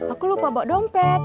aku lupa bawa dompet